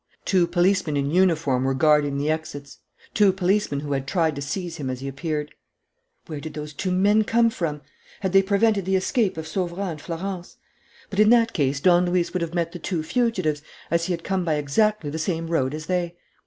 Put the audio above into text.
Two policemen in uniform were guarding the exit, two policemen who had tried to seize him as he appeared. Where did those two men come from? Had they prevented the escape of Sauverand and Florence? But in that case Don Luis would have met the two fugitives, as he had come by exactly the same road as they.